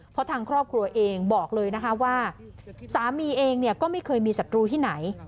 เพราะทางครอบครัวเองบอกเลยนะคะว่าสามีเองก็ไม่เคยมีศัตรูที่ไหน